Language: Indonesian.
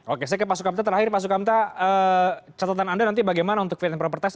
oke saya ke pak sukamta terakhir pak sukamta catatan anda nanti bagaimana untuk vn properties